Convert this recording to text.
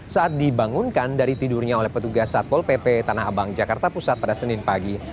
saat dibangunkan dari tidurnya oleh petugas satpol pp tanah abang jakarta pusat pada senin pagi